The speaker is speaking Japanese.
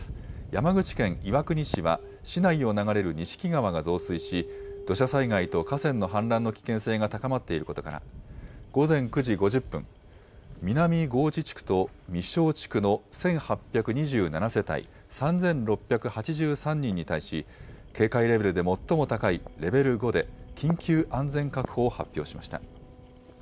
山口県岩国市は、市内を流れる錦川が増水し、土砂災害と河川の氾濫の危険性が高まっていることから、午前９時５０分、南河内地区と御庄地区の１８２７世帯、３６８３人に対し、警戒レベルで最も高いレベル５で、緊急安全確保を発表しました。